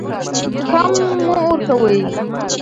کم مه ورکوئ.